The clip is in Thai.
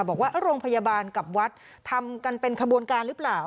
บอกว่าโรงพยาบาลกับวัดทำกันเป็นขบวนการหรือเปล่า